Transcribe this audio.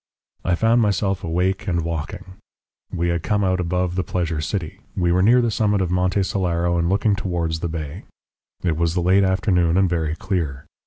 "I found myself awake and walking. We had come out above the Pleasure City, we were near the summit of Monte Solaro and looking towards the bay. It was the late afternoon and very clear.